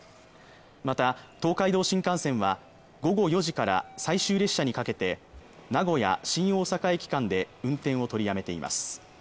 また東海道新幹線は午後４時から最終列車にかけて名古屋ー新大阪駅間で運転を取りやめています